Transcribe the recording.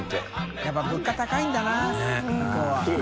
やっぱ物価高いんだな向こうは。